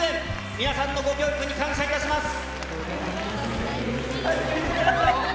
皆さんのご協力に感謝いたします。